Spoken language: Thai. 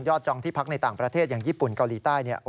จองที่พักในต่างประเทศอย่างญี่ปุ่นเกาหลีใต้